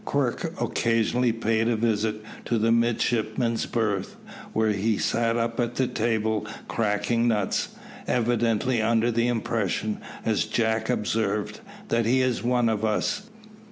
Quirk occasionally paid a visit to the midshipmen's berth, where he sat up at table cracking nuts, "evidently under the impression," as Jack observed, "that he is one of us."